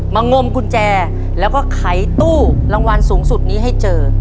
งมกุญแจแล้วก็ไขตู้รางวัลสูงสุดนี้ให้เจอ